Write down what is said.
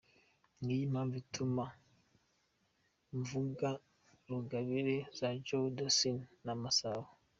Ngiyo impamvu ituma mvuga rugabire za Joe Dassin na Masabo.